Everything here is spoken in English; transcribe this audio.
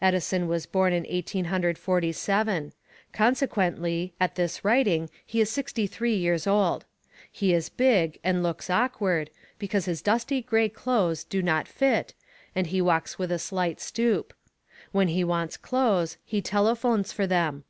Edison was born in Eighteen Hundred Forty seven. Consequently, at this writing he is sixty three years old. He is big and looks awkward, because his dusty gray clothes do not fit, and he walks with a slight stoop. When he wants clothes he telephones for them.